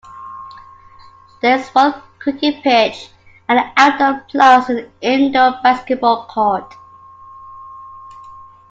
There is one cricket pitch and an outdoor plus an indoor basketball court.